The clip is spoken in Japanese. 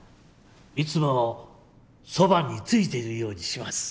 いつもそばについているようにします。